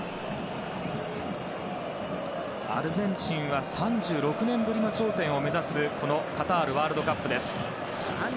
アルゼンチンは３６年ぶりの頂点を目指すカタールワールドカップです。